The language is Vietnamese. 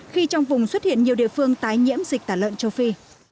khi trong vùng xuất hiện nhiều địa phương tái nhiễm dịch tả lợn châu phi